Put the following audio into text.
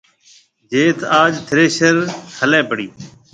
جيٿ آج ٿريشر هليَ پڙِي۔